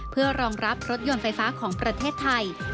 เพื่อรองรับรถยนต์ไฟฟ้าของประเทศไทย